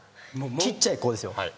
ちっちゃい子ですよ。